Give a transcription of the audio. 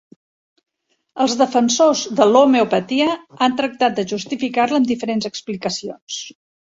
Els defensors de l'homeopatia han tractat de justificar-la amb diferents explicacions.